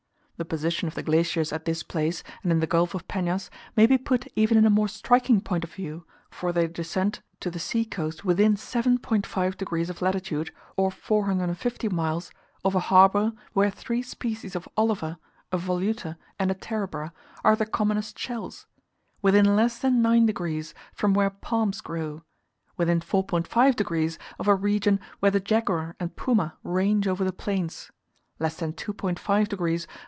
The position of the glaciers at this place and in the Gulf of Penas may be put even in a more striking point of view, for they descend to the sea coast within 7.5 degs. of latitude, or 450 miles, of a harbour, where three species of Oliva, a Voluta, and a Terebra, are the commonest shells, within less than 9 degs. from where palms grow, within 4.5 degs. of a region where the jaguar and puma range over the plains, less than 2.5 degs.